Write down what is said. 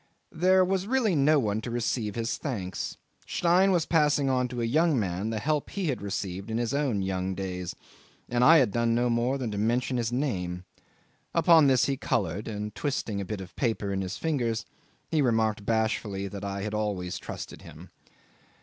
There was really no one to receive his thanks. Stein was passing on to a young man the help he had received in his own young days, and I had done no more than to mention his name. Upon this he coloured, and, twisting a bit of paper in his fingers, he remarked bashfully that I had always trusted him.